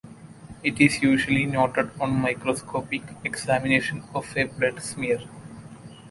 It is usually noted on microscopic examination of a blood smear.